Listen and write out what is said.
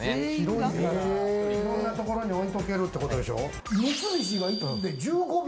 いろんなところに置いとけるってことでしょう？